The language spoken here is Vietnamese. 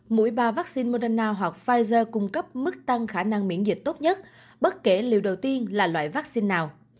mỗi ba vaccine moderna hoặc pfizer cung cấp mức tăng khả năng miễn dịch tốt nhất bất kể liều đầu tiên là loại vaccine nào